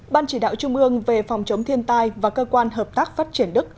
ban chỉ đạo trung ương về phòng chống thiên tai và cơ quan hợp tác phát triển đức